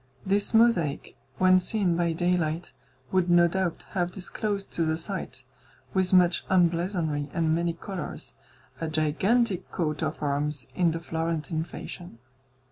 This mosaic, when seen by daylight, would no doubt have disclosed to the sight, with much emblazonry and many colours, a gigantic coat of arms, in the Florentine fashion.